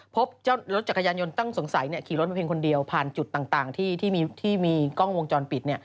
พบเจ้ารถจักรยานยนต์ต้องสงสัยขี่รถมาเพียงคนเดียวผ่านจุดต่างที่มีกล้องวงจรปิด